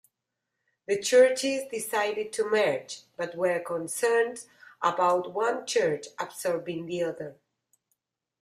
The churches decided to merge but were concerned about one church absorbing the other.